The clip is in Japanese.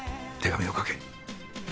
手紙を書け。